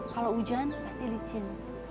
kalau hujan pasti licin